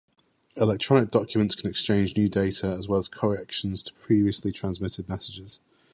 Electronic documents can exchange new data as well as corrections to previously transmitted messages.